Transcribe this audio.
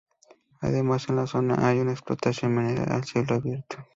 Además, en la zona hay una explotación minera a cielo abierto.